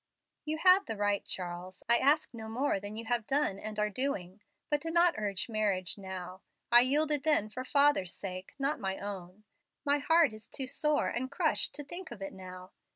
"You have the right, Charles. I ask no more than you have done and are doing. But do not urge marriage now. I yielded then for father's sake, not my own. My heart is too sore and crushed to think of it now.